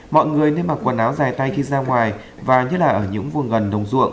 mọi người nên mặc quần áo dài tay khi ra ngoài và nhất là ở những vùng gần đồng ruộng